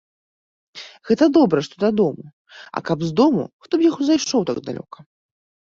Гэта добра, што дадому, а каб з дому хто б яго зайшоў так далёка.